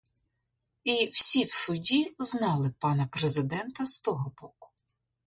І всі в суді знали пана президента з того боку.